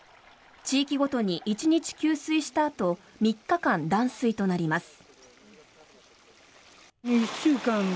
地域ごとに１日給水したあと３日間断水となります。